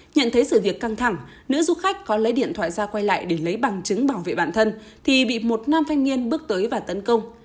nhận thấy sự việc căng thẳng nữ du khách có lấy điện thoại ra quay lại để lấy bằng chứng bảo vệ bản thân thì bị một nam thanh niên bước tới và tấn công